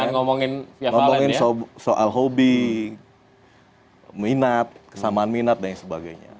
ngomongin soal hobi minat kesamaan minat dan sebagainya